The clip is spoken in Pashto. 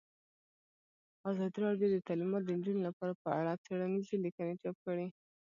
ازادي راډیو د تعلیمات د نجونو لپاره په اړه څېړنیزې لیکنې چاپ کړي.